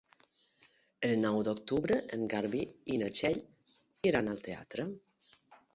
El nou d'octubre en Garbí i na Txell iran al teatre.